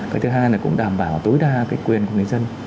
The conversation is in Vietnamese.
cái thứ hai là cũng đảm bảo tối đa cái quyền của người dân